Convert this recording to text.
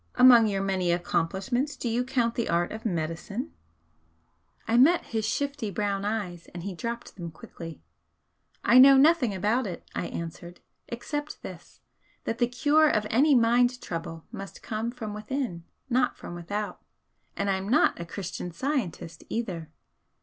Among your many accomplishments do you count the art of medicine?" I met his shifty brown eyes, and he dropped them quickly. "I know nothing about it," I answered "Except this that the cure of any mind trouble must come from within not from without. And I'm not a Christian Scientist either?"